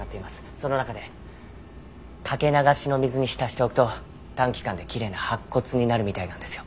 その中でかけ流しの水に浸しておくと短期間できれいな白骨になるみたいなんですよ。